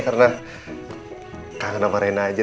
karena kangen sama reina aja